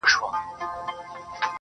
يوه ږغ كړه چي تر ټولو پهلوان يم!.